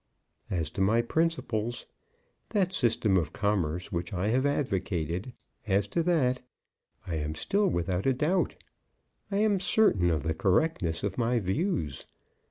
"As to my principles, that system of commerce which I have advocated, as to that, I am still without a doubt. I am certain of the correctness of my views.